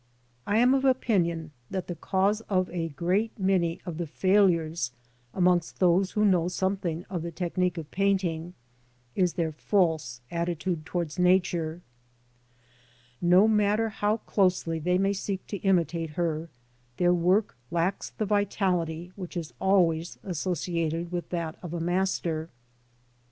I am of opinion that the cause of a great many of the failures, amongst those who know something of the technique of painting, is their false attitude towards Nature : no matter how closely they may seek to imitate her, their work lacks the vitality which is always associated with that of a master.